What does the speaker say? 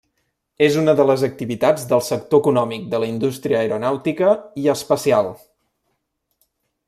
És una de les activitats del sector econòmic de la indústria aeronàutica i espacial.